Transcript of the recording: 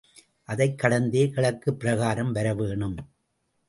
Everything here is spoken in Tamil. அதைக் கடந்தே கிழக்குப் பிராகாரம் வரவேணும்.